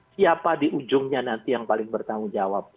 siapa di ujungnya nanti yang paling bertanggung jawab